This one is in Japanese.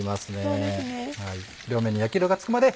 そうですね。